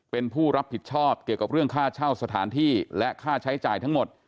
เป็นผู้รับผิดชอบเกี่ยวกับเรื่องค่าเช่าสถานที่และค่าใช้จ่ายทั้งหมด